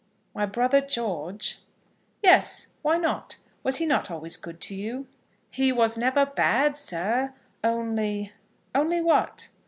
"My brother George?" "Yes; why not? Was he not always good to you?" "He was never bad, sir; only " "Only what?"